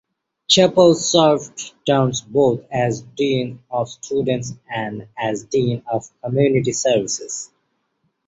Chappelle served terms both as Dean of Students and as Dean of Community Services.